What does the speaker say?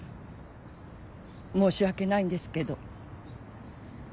申し訳ないんですけど。